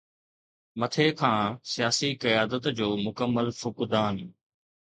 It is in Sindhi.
مٿي کان سياسي قيادت جو مڪمل فقدان.